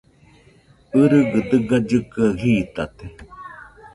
ɨgɨgɨ dɨga llɨkɨaɨ jitate